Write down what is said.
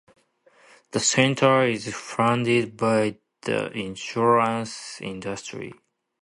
The centre is funded by the insurance industry.